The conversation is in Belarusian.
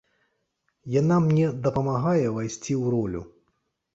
Яна мне дапамагае ўвайсці ў ролю.